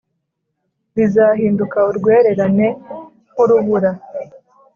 bizahinduka urwererane nk’urubura.